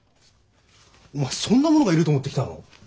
お前そんなものがいると思って来たの？